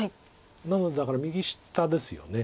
なのでだから右下ですよね。